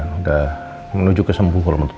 udah menuju kesembuhan